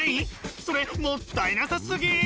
それもったいなさすぎ！